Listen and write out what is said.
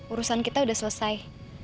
urusan kita udah selesai